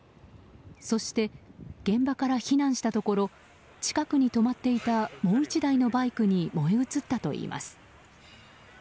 そして、現場から避難したところ近くに止まっていたもう１台のバイクに燃え移ったといいます。